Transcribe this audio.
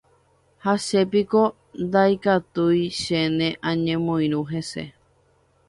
Ha chépiko ndaikatúi chéne añemoirũ hese.